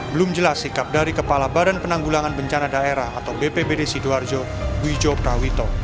belum jelas sikap dari kepala badan penanggulangan bencana daerah atau bpbd sidoarjo wijo prawito